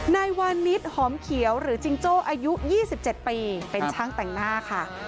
นายวานิสหอมเขียวหรือจิงโจ้อายุ๒๗ปีเป็นช่างแต่งหน้าค่ะ